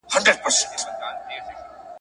که خندا ده که ژړا ده په ریا ده ..